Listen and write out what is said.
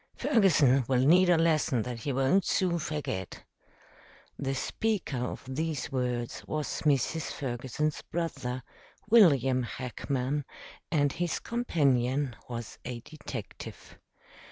Ferguson will need a lesson that he won't soon forget." The speaker of these words was Mrs. Ferguson's brother, William Hackman, and his companion was a detective.